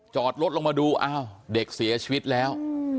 จอดรถลงมาดูอ้าวเด็กเสียชีวิตแล้ว